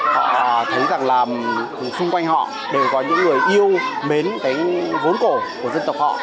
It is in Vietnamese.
họ thấy rằng là xung quanh họ đều có những người yêu mến cái vốn cổ của dân tộc họ